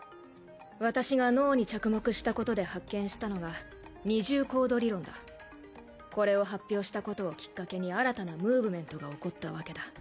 私が脳に着目したことで発見したのが二重コード理論だこれを発表したことをきっかけに新たなムーブメントが起こったわけだ